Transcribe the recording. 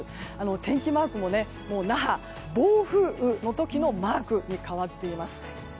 天気マークも那覇、暴風雨の時のマークに変わっています。